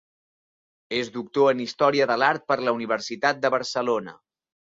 És doctor en Història de l'Art per la Universitat de Barcelona.